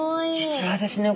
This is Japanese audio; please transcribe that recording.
実はですね